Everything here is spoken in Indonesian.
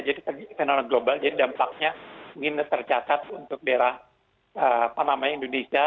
jadi fenomena global jadi dampaknya mungkin tercatat untuk daerah panaman indonesia